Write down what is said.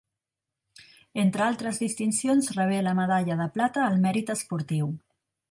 Entre altres distincions rebé la medalla de plata al mèrit esportiu.